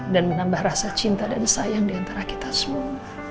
dan menambah rasa cinta dan sayang diantara kita semua